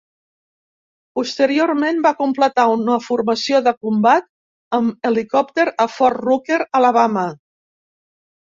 Posteriorment va completar una formació de combat amb helicòpter a Fort Rucker, Alabama.